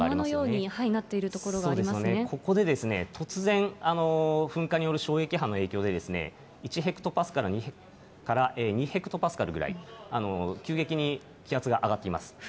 山のようになっているところここで突然、噴火による衝撃波の影響で、１ヘクトパスカルから２ヘクトパスカルぐらい、急激に気圧が上がっています。